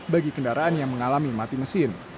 bagi kendaraan yang mengalami mati mesin